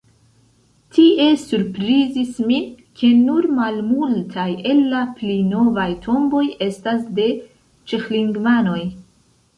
Tie surprizis min, ke nur malmultaj el la pli novaj tomboj estas de ĉeĥlingvanoj.